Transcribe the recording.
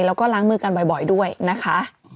แล้วก็ล้างมือกันบ่อยด้วยนะคะ